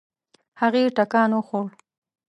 هغې ټکان وخوړ.